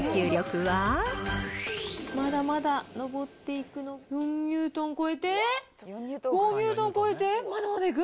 まだまだ上っていく、ニュートン超えて、５ニュートン超えて、まだまだいく。